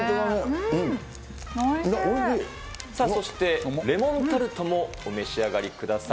そしてレモンタルトもお召し上がりください。